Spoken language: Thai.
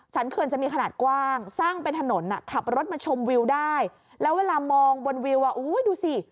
เขื่อนจะมีขนาดกว้างสร้างเป็นถนนอ่ะขับรถมาชมวิวได้แล้วเวลามองบนวิวอ่ะอุ้ยดูสิ